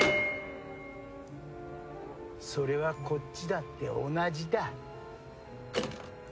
それはこっちだって同じだ。